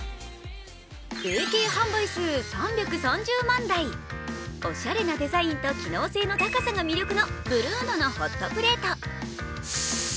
累計販売台数３８万台おしゃれなデザインと機能性の高さが魅力のＢＲＵＮＯのホットプレート。